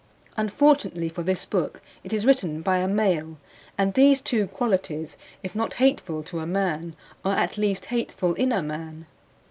Unfortunately for this book it is written by a male, and these two qualities, if not hateful to a man, are at least hateful in a man.